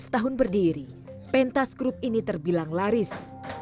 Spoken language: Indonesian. tujuh belas tahun berdiri pentas grup ini terbilang laris